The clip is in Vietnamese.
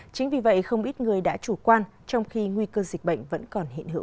chính vì vậy không ít người đã chủ quan trong khi nguy cơ dịch bệnh vẫn còn hiện hữu